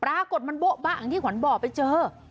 ปรากฏมันโบ๊ะบะอย่างที่ขวัญบอกไปเจอ